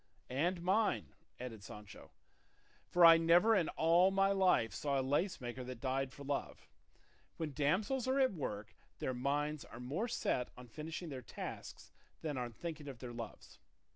"And mine," added Sancho; "for I never in all my life saw a lace maker that died for love; when damsels are at work their minds are more set on finishing their tasks than on thinking of their loves.